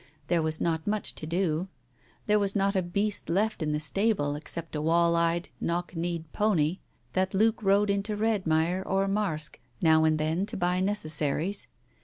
There was not much to do. There was not a beast left in the stable, except a wall eyed, knock kneed pony that Luke rode into Redmire or Marske now and then to buy necessaries.